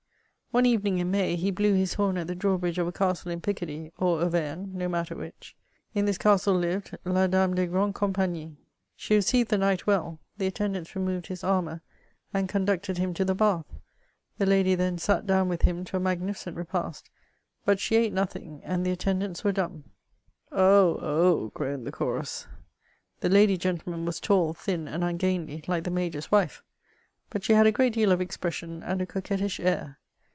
'* One evening in May, he blew his horn at the drawbridge of a castle in Picardy, or Auvergne, no matter which. In this castle lived la Dame des grandes compagnies. She received the knight well ; the attendants removed his armour and con ducted him to the bath : the lady then sat down with him to a magnificent repast; but she ate nothing, and the attendants were dumb.'' CHATEAUBRIAND. 351 ^^ Oh ! oh r' groaned the chorus. '* The lady^ gentlemen, was tall, thin, and tmgainly, like the major's wife ; but she had a great deal of expression and a coquettish air.